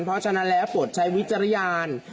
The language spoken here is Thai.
เพราะฉะนั้นและปลดใช้วิจารณ์